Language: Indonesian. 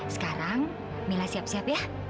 sekarang mila siap siap ya